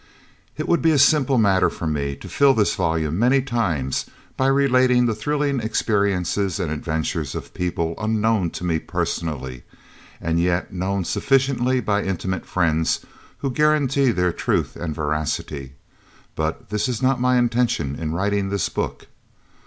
It would be a simple matter for me to fill this volume many times by relating the thrilling experiences and adventures of people unknown to me personally and yet known sufficiently by intimate friends who guarantee their truth and veracity, but this is not my intention in writing this book.